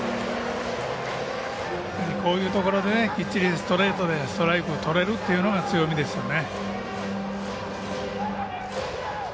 こういうところでねストレートできっちりストライクがとれるというのが強みですね。